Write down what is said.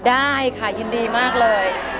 ได้ค่ะยินดีมากเลย